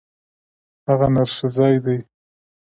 هغه نرښځی دی.